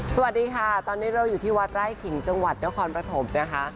สวัสดีค่ะตอนนี้เราอยู่ที่วัดไร่ขิงจังหวัดนครปฐมนะคะ